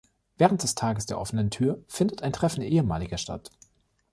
Während des Tages der offenen Tür findet ein "Treffen Ehemaliger" statt.